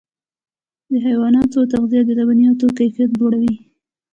د حیواناتو تغذیه د لبنیاتو کیفیت لوړوي.